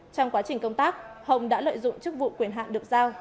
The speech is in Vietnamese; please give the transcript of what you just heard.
trong quá trình công tác hồng đã lợi dụng chức vụ quyền hạn được giao